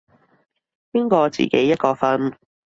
邊個自己一個瞓